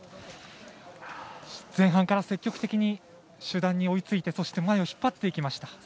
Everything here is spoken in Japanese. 前半から積極的に集団に追いついてそして前を引っ張っていきました。